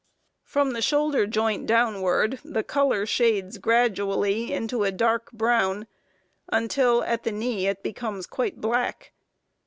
From the shoulder joint downward, the color shades gradually into a dark brown until at the knee it becomes quite black.